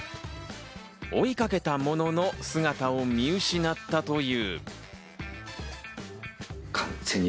追いかけたものの、姿を見失ったという。